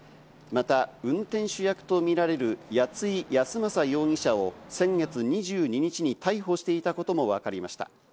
また、運転手役とみられる谷井泰雅容疑者を先月２２日に逮捕していたこともわかりました。